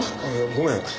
ごめん。